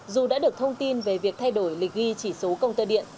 dù đã được thông tin về việc thay đổi lịch ghi chỉ số công tơ điện